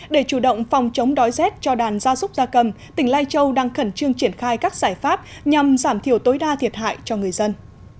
để chủ động phòng chống đói rét cho đàn gia súc gia cầm tỉnh lai châu đang khẩn trương triển khai các giải pháp nhằm giảm thiểu tối đa thiệt hại cho người dân